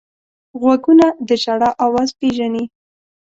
غوږونه د ژړا اواز پېژني